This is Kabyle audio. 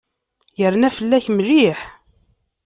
Yerna fell-ak mliḥ.